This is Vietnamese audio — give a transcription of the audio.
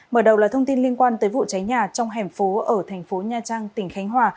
mở đầu là thông tin liên quan tới vụ cháy nhà trong hẻm phố ở thành phố nha trang tỉnh khánh hòa